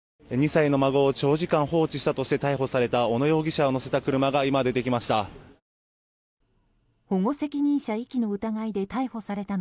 ２歳の孫を長時間放置したとして逮捕された小野容疑者を乗せた車が今、出てきました。